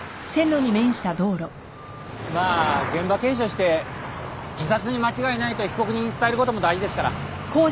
まあ現場検証して自殺に間違いないと被告人に伝えることも大事ですから。